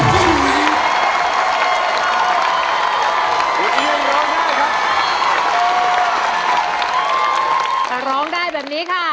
จะร้องได้แบบนี้ค่ะ